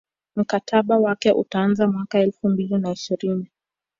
mkataba wake utaanza mwaka elfu mbili na ishirini